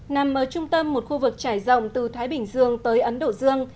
nằm ở trung tâm một khu vực trải rộng từ thái bình dương tới ấn độ dương